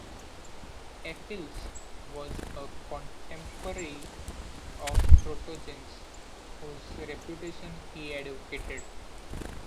Apelles was a contemporary of Protogenes, whose reputation he advocated.